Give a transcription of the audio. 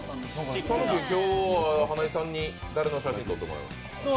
花井さんに誰の写真を撮ってもらいます？